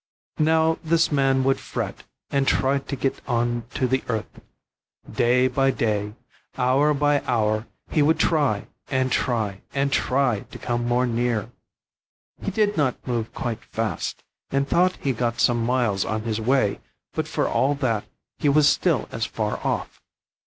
Now this man would fret, and try to get on to the earth. Day by day, hour by hour, he would try, and try, and try to come more near. He did move quite fast, and thought he got some miles on his way, but for all that he was still as far off.